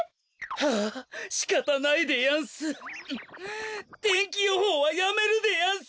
はあしかたないでやんす天気予報はやめるでやんす。